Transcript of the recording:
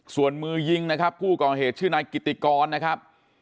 ส่วนมือยิงนะครับผู้ก่อเหตุชื่อนายกิติกรนะครับ